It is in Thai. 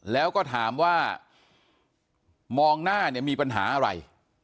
แล้วก็ถามว่ามองหน้าเนี่ยมีปัญหาอะไร